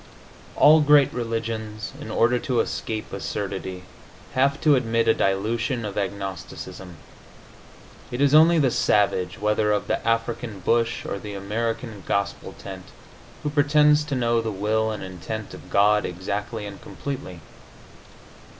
All great religions, in order to escape absurdity, have to admit a dilution of agnosticism. It is only the savage, whether of the African bush or the American gospel tent, who pretends to know the will and intent of God exactly and completely.